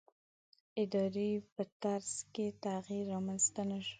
ادارې په طرز کې تغییر رامنځته نه شو.